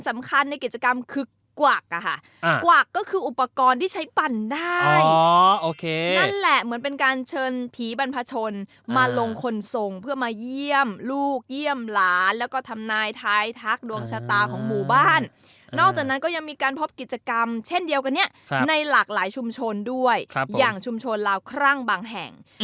ในกิจกรรมคือกวักอะค่ะกวักก็คืออุปกรณ์ที่ใช้ปั่นได้อ๋อโอเคนั่นแหละเหมือนเป็นการเชิญผีบรรพชนมาลงคนทรงเพื่อมาเยี่ยมลูกเยี่ยมหลานแล้วก็ทำนายท้ายทักดวงชะตาของหมู่บ้านนอกจากนั้นก็ยังมีการพบกิจกรรมเช่นเดียวกันเนี่ยในหลากหลายชุมชนด้วยอย่างชุมชนลาวครั่งบางแห่ง